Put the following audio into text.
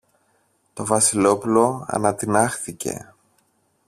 Το Βασιλόπουλο ανατινάχθηκε.